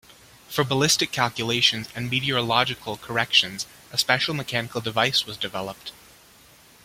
For ballistic calculations and meteorological corrections a special mechanical device was developed.